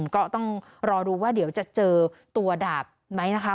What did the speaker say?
ก็ต้องรอดูว่าเดี๋ยวจะเจอตัวดาบไหมนะคะ